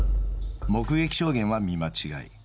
目撃証言は見間違い。